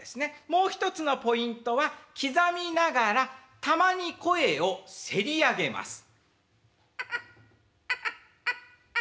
もう一つのポイントは刻みながらたまに声をせり上げます。